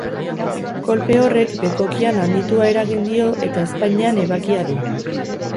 Kolpe horrek bekokian handitua eragin dio eta ezpainean ebakia du.